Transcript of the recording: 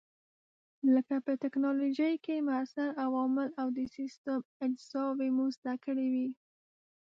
لکه په ټېکنالوجۍ کې موثر عوامل او د سیسټم اجزاوې مو زده کړې وې.